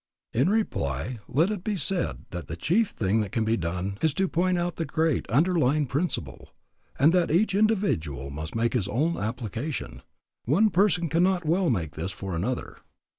In reply, let it be said that the chief thing that can be done is to point out the great underlying principle, and that each individual must make his own application; one person cannot well make this for another.